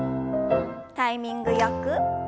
タイミングよく。